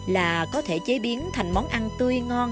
là có thể chế biến thành món ăn tươi ngon